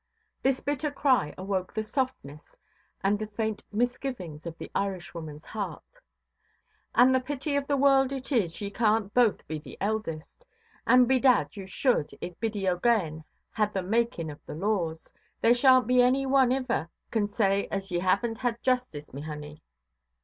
This bitter cry awoke the softness and the faint misgivings of the Irishwomanʼs heart. "And the pity of the world it is ye canʼt both be the eldest. And bedad you should, if Biddy OʼGaghan had the making of the laws. There shanʼt be any one iver can say as ye havenʼt had justice, me honey".